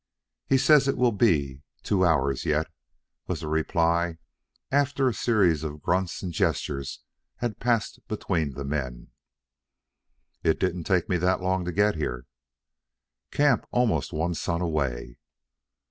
"He says it will be two hours yet," was the reply, after a series of grunts and gestures had passed between the men. "It didn't take me that long to get here." "Camp almost one sun away."